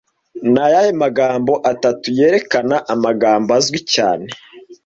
Ni ayahe magambo atatu yerekana amagambo azwi cyane